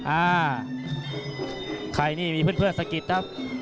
อ่าใครนี่มีเพื่อนสะกิดครับ